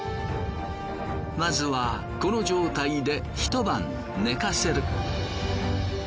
まずはこの状態で一晩寝かせる。